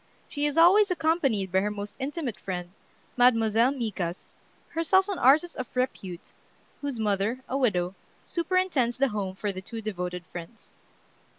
She is always accompanied by her most intimate friend, Mademoiselle Micas, herself an artist of repute, whose mother, a widow, superintends the home for the two devoted friends.